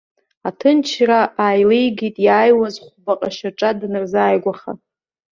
Аҭынчра ааилеигеит иааиуаз хәбаҟа шьаҿа данырзааигәаха.